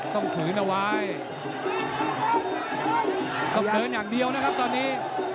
ขืนเอาไว้ต้องเดินอย่างเดียวนะครับตอนนี้